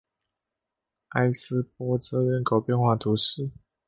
埃斯珀泽人口变化图示